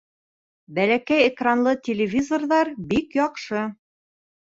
Бәләкәй экранлы телевизорҙар бик яҡшы